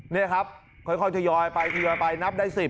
นี่ครับค่อยทยอยไปทยอยไปนับได้๑๐